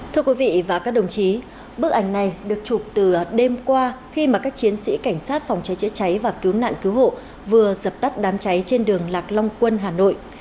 thưa quý vị và các đồng chí bức ảnh này được chụp từ đêm qua khi mà các chiến sĩ cảnh sát phòng cháy chữa cháy và cứu nạn cứu hộ vừa dập tắt đám cháy trên đường lạc long quân hà nội